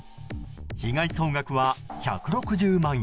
被害総額は１６０万円。